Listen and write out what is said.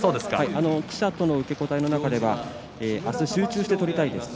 記者との受け答えの中では明日、集中して取りたいです